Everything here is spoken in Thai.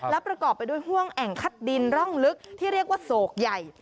และประกอบไปด้วยห่วงแอ่งคัดดินร่องลึกที่เรียกว่าโศกใหญ่